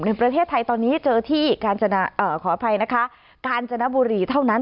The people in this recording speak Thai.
ในประเทศไทยตอนนี้เจอที่กาญจนบุรีเท่านั้น